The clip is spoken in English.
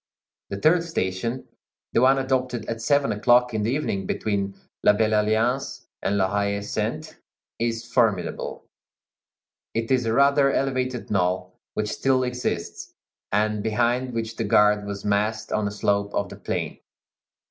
The third station, the one adopted at seven o'clock in the evening, between La Belle Alliance and La Haie Sainte, is formidable; it is a rather elevated knoll, which still exists, and behind which the guard was massed on a slope of the plain.